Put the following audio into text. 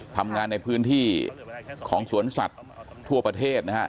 ทำงานในพื้นที่ของสวนสัตว์ทั่วประเทศนะฮะ